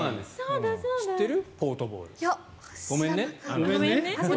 知ってる？